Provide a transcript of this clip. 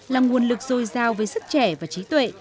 là nguồn lực dồi dào với sức trẻ và trí tuệ